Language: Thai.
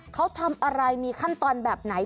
เขาทำอะไรมีขั้นตอนแบบไหน